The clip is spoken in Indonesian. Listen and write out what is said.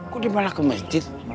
kok dia malah ke masjid